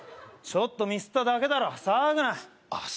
ちょっとミスっただけだろ騒ぐなあっ